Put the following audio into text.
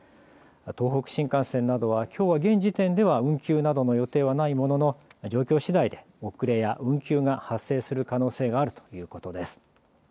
東北新幹線などはきょうは現時点では運休などの予定はないものの状況しだいで遅れや運休が発生する可能性があるということです。